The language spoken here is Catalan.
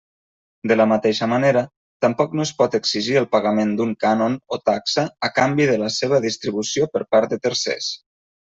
De la mateixa manera, tampoc no es pot exigir el pagament d'un cànon o taxa a canvi de la seva distribució per part de tercers.